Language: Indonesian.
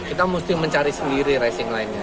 kita mesti mencari sendiri racing line nya